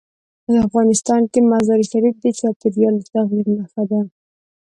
افغانستان کې مزارشریف د چاپېریال د تغیر نښه ده.